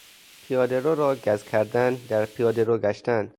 پیاده رو را گز کردن، در پیاده رو گشتن